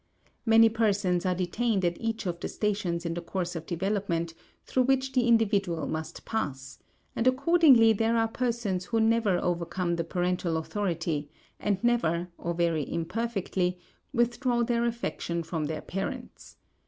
Many persons are detained at each of the stations in the course of development through which the individual must pass; and accordingly there are persons who never overcome the parental authority and never, or very imperfectly, withdraw their affection from their parents.